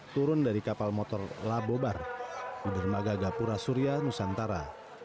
turun dari kapal motor labobar di dermaga gapura surya nusantara